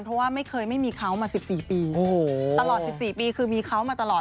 เพราะว่าไม่เคยไม่มีเขามา๑๔ปีตลอด๑๔ปีคือมีเขามาตลอด